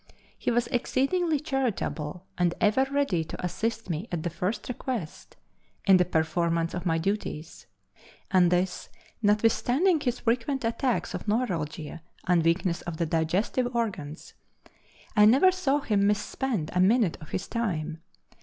He was exceedingly charitable and ever ready to assist me at the first request in the performance of my duties, and this notwithstanding his frequent attacks of neuralgia and weakness of the digestive organs. I never saw him misspend a minute of his time.